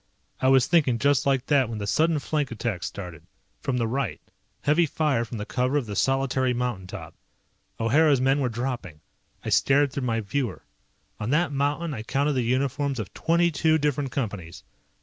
I was thinking just like that when the sudden flank attack started. From the right. Heavy fire from the cover of the solitary mountain top. O'Hara's men were dropping. I stared through my viewer. On that mountain I counted the uniforms of twenty two different Companies.